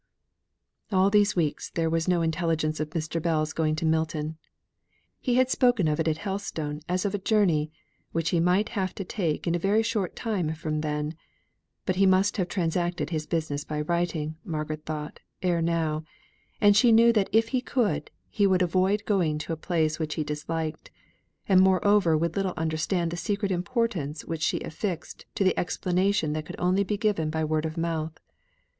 All these weeks there was no intelligence of Mr. Bell's going to Milton. He had spoken of it at Helstone as of a journey which he might have to take in a very short time from then; but he must have transacted his business by writing. Margaret thought, ere now, and she knew that if he could, he would avoid going to a place which he disliked, and moreover would little understand the secret importance which she affixed to the explanation that could only be given by word of mouth.